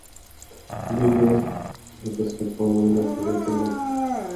Vill du, att jag skall tala med direktören?